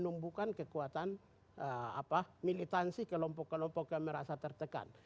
dan mengatakan kekuatan itu adalah militansi kelompok kelompok yang merasa tertekan